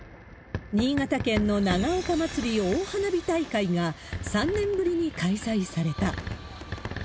新潟県の長岡まつり大花火大会が、３年ぶりに開催された。